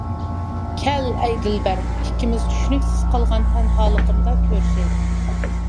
كەل، ئەي دىلبەر، ئىككىمىز چۈشىنىكسىز قالغان تەنھالىقىمدا كۆرۈشەيلى.